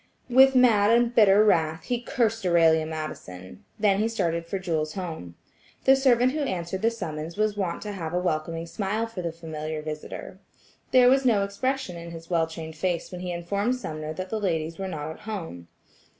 With mad and bitter wrath, he cursed Aurelia Madison; then he started for Jewel's home. The servant who answered the summons was wont to have a welcoming smile for the familiar visitor. There was no expression in his well trained face when he informed Sumner that the ladies were not at home.